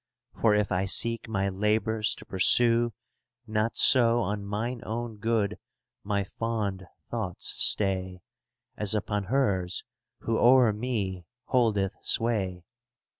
For if I seek my labours to pursue, Not so on mine own good my fond thoughts stay «*■ As upon hers who o'er me holdeth sway.